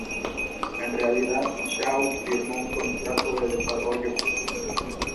En realidad, Shaw firmó un contrato de desarrollo.